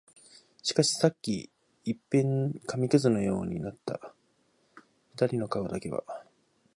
しかし、さっき一片紙屑のようになった二人の顔だけは、